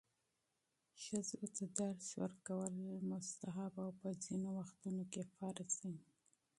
ښځو ته تعلیم ورکول مستحب او په ځینو وختونو کې فرض دی.